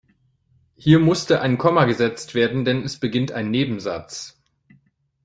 Hier musste ein Komma gesetzt werden, denn es beginnt ein Nebensatz.